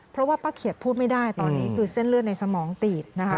เพราะว่าป้าเขียดพูดไม่ได้ตอนนี้คือเส้นเลือดในสมองตีบนะคะ